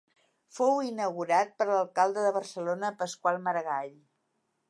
Fou inaugurat per l'alcalde de Barcelona Pasqual Maragall.